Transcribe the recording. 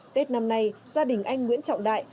tết năm nay gia đình anh nguyễn trọng đại